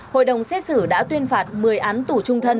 hội đồng xét xử đã tuyên phạt một mươi án tù trung thân